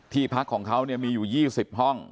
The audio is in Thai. ที่พักของเขาเนี่ยมีอยู่๒๐ห้อง